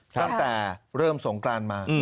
ตั้งแต่เริ่มสงกรานมา